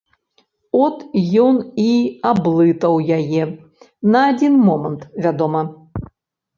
От ён і аблытаў яе, на адзін момант, вядома.